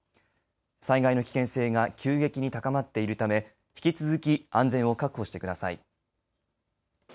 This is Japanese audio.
災害の危険性が急激に高まっているため引き続き安全を確保してください。